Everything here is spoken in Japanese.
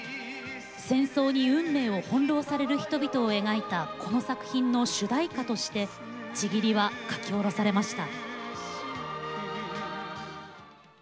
戦争に運命を翻弄される人々を描いたこの作品の主題歌として「契り」は書き下ろされました。